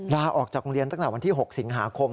ลาออกจากโรงเรียนตั้งแต่วันที่๖สิงหาคม